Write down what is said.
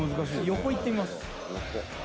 「横いってみます」